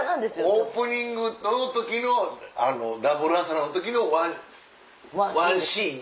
オープニングの時のダブル浅野の時のワンワンシーン？